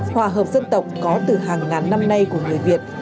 hòa hợp dân tộc có từ hàng ngàn năm nay của người việt